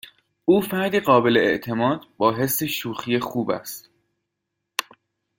او فردی قابل اعتماد با حس شوخی خوب است.